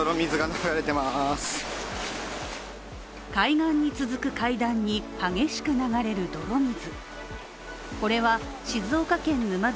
海岸に続く階段に激しく流れる泥水。